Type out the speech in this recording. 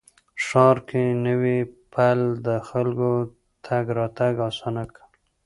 ښار کې نوی پل د خلکو تګ راتګ اسانه کړ